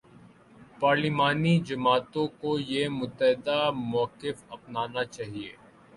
پارلیمانی جماعتوں کو یہ متحدہ موقف اپنانا چاہیے۔